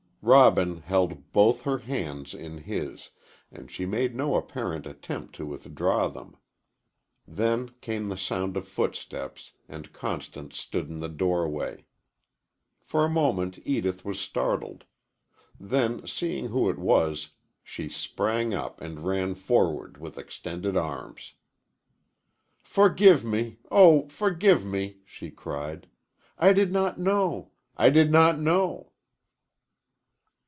Robin held both her hands in his, and she made no apparent attempt to withdraw them. Then came the sound of footsteps and Constance stood in the doorway. For a moment Edith was startled. Then, seeing who it was, she sprang up and ran forward with extended arms. "Forgive me! Oh, forgive me!" she cried; "I did not know! I did not know!"